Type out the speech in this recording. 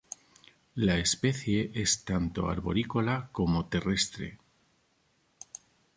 La especie es tanto arborícola como terrestre.